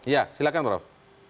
ya silahkan prof